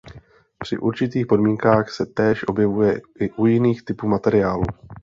Při určitých podmínkách se též objevuje i u jiných typů materiálů.